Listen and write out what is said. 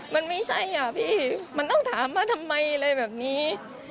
มันไม่ใช่อ่ะพี่มันต้องถามว่าทำไมอะไรแบบนี้